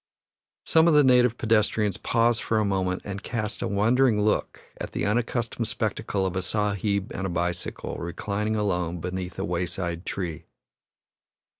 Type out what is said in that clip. Some of the native pedestrians pause for a moment and cast a wondering look at the unaccustomed spectacle of a Sahib and a bicycle reclining alone beneath a wayside tree.